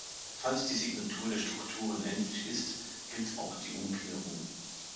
Falls die Signatur der Strukturen endlich ist, gilt auch die Umkehrung.